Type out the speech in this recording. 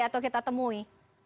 atau kita temui